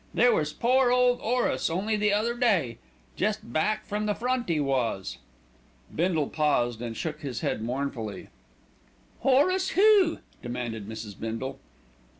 There was poor 'ole 'Orace only the other day. Jest back from the front 'e was." Bindle paused and shook his head mournfully. "Horace who?" demanded Mrs. Bindle.